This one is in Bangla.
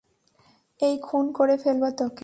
এই, খুন করে ফেলব তোকে।